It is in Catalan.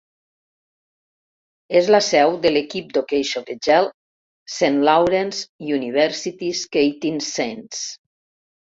És la seu de l'equip d'hoquei sobre gel Saint Lawrence University Skating Saints.